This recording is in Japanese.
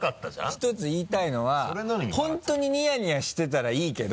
１つ言いたいのは本当にニヤニヤしてたらいいけど。